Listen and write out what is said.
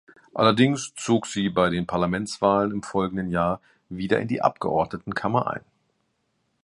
Allerdings zog sie bei den Parlamentswahlen im folgenden Jahr wieder in die Abgeordnetenkammer ein.